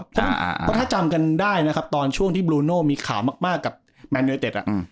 เพราะถ้าจำกันได้นะครับตอนช่วงที่บลูโน่มีข่าวมากกับแมนยูเนเต็ด